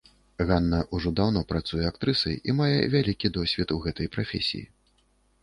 Ганна ўжо даўно працуе актрысай і мае вялікі досвед у гэтай прафесіі.